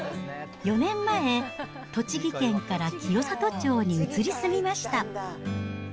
４年前、栃木県から清里町に移り住みました。